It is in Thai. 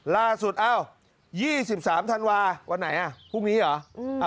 ลาสุด๒๓ธันวาวันไหนพรุ่งนี้หรอ